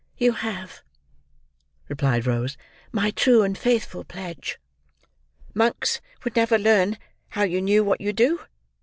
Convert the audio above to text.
"You have," replied Rose. "My true and faithful pledge." "Monks would never learn how you knew what you do?"